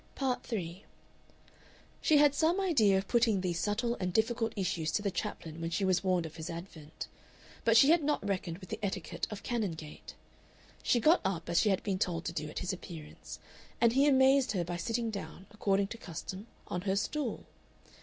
Part 3 She had some idea of putting these subtle and difficult issues to the chaplain when she was warned of his advent. But she had not reckoned with the etiquette of Canongate. She got up, as she had been told to do, at his appearance, and he amazed her by sitting down, according to custom, on her stool.